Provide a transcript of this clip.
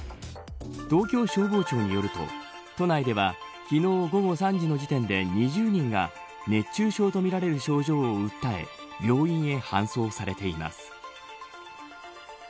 東京消防庁によると、都内では昨日、午後３時の時点で２０人が熱中症とみられる症状を訴え病院へ搬送されています。